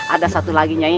ada satu lagi nyai